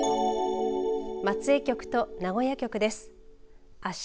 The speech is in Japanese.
松江局と名古屋局です。